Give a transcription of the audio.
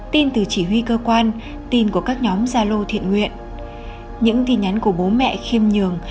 tin từ chỉ huy cơ quan tin của các nhóm gia lô thiện nguyện những tin nhắn của bố mẹ khiêm nhường